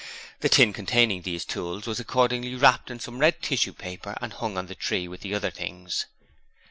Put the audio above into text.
The tin case containing these tools was accordingly wrapped in some red tissue paper and hung on the tree with the other things.